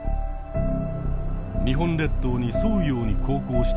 日本列島に沿うように航行した